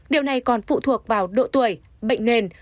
điều này còn phụ thuộc vào độ tuổi bệnh nền